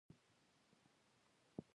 په دغه ډله کې یو هم سید حسن خان دی.